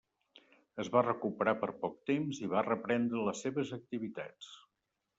Es va recuperar per poc temps i va reprendre les seves activitats.